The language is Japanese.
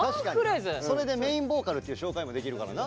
それでメインボーカルっていう紹介もできるからな。